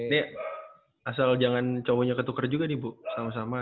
nih asal jangan cowoknya ketuker juga nih bu sama sama